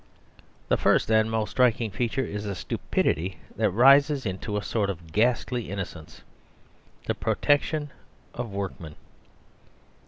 The first and most striking feature is a stupidity that rises into a sort of ghastly innocence. The protection of workmen!